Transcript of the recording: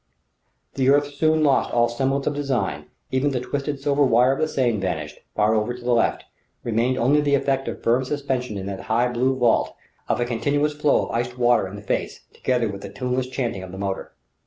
The earth soon lost all semblance of design; even the twisted silver wire of the Seine vanished, far over to the left; remained only the effect of firm suspension in that high blue vault, of a continuous low of iced water in the face, together with the tuneless chanting of the motor.